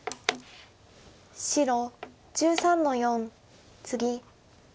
白１３の四ツギ。